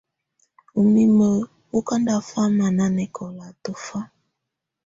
Úmimǝ́ wɔ́ ká ndáfamá nanɛkɔla tɔfa.